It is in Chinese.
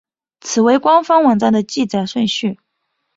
此为官方网站的记载顺序。